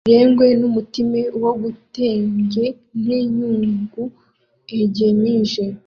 erengwe n’umutime wo gutenge nte nyungu egemije.